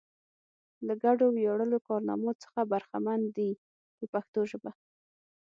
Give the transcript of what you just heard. له ګډو ویاړلو کارنامو څخه برخمن دي په پښتو ژبه.